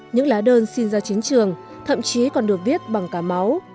những lá đơn xin ra chiến trường thậm chí còn được viết bằng cả máu